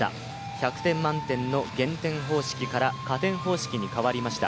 １００点満点の減点方式から加点方式に変わりました。